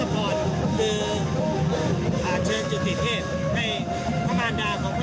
ผู้ช่วยอีก๕คนค่ะรวมกันเป็น๖คน